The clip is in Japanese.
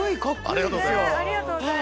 ありがとうございます。